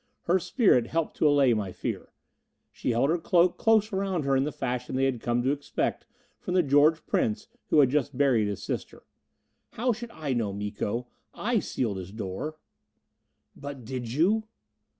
Her spirit helped to allay my fear. She held her cloak close around her in the fashion they had come to expect from the George Prince who had just buried his sister. "How should I know, Miko? I sealed his door." "But did you?"